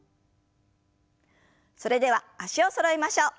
それでは脚をそろえましょう。